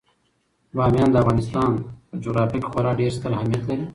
بامیان د افغانستان په جغرافیه کې خورا ډیر ستر اهمیت لري.